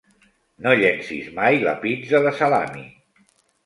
No llencis mai la pizza de salami.